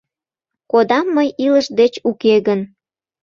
Кодам мый илыш деч уке гын.